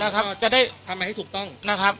นะครับจะได้ทำให้ให้ถูกต้องนะครับ